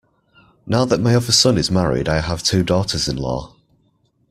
Now that my other son is married I have two daughters-in-law.